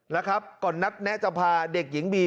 แล้วครับก่อนนัดแนะจะพาเด็กหญิงบี